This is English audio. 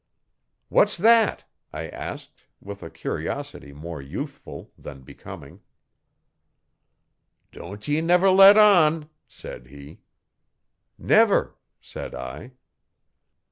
'What's that?' I asked, with a curiosity more youthful than becoming. 'Don't ye never let on,' said he. 'Never,' said I.